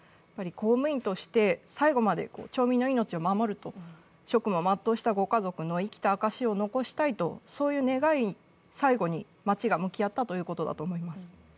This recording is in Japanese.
公務員として最後まで町民の命を守ると、職務を全うしたご家族の生きた証しを残したいという願いに最後には町が向き合ったということだと思います。